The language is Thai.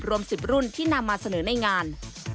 รวม๑๐รุ่นที่นำมาเสนอในงาน